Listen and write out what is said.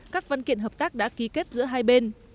các văn kiện hợp tác đã ký kết giữa hai bên